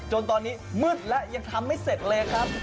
จนตอนนี้มืดแล้วยังทำไม่เสร็จเลยครับ